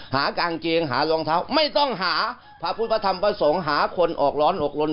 หากางเกงหารองเท้าไม่ต้องหาพระพุทธพระธรรมพระสงฆ์หาคนออกร้อนอกลน